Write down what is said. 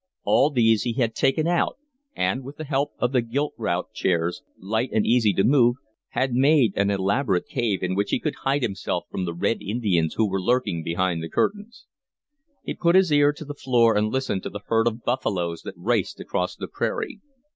All these he had taken and, with the help of the gilt rout chairs, light and easy to move, had made an elaborate cave in which he could hide himself from the Red Indians who were lurking behind the curtains. He put his ear to the floor and listened to the herd of buffaloes that raced across the prairie.